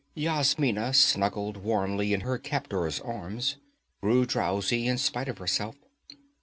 Yasmina, snuggled warmly in her captor's arms, grew drowsy in spite of herself.